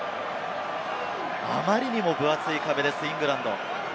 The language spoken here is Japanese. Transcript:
あまりにも分厚い壁です、イングランド。